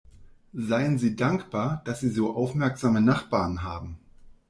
Seien Sie dankbar, dass Sie so aufmerksame Nachbarn haben!